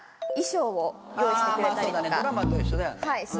そうだねドラマと一緒だよね。